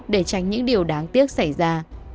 để tránh những điều đáng tiếc xảy ra